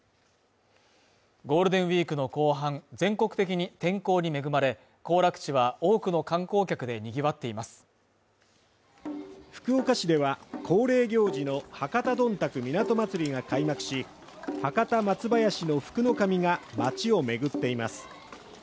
ゴールデンウィークの後半、全国的に天候に恵まれ、行楽地は多くの観光客で賑わっています福岡市では、恒例行事の博多どんたく港まつりが開幕し、博多松囃子の福の神が街を巡っています。